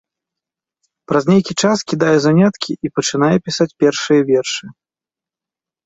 Праз нейкі час кідае заняткі і пачынае пісаць першыя вершы.